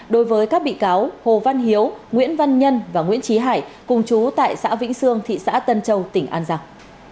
đối với các bị cáo hồ văn hiếu nguyễn văn nhân và nguyễn trí hải cùng chú tại xã vĩnh sương thị xã tân châu tỉnh an giang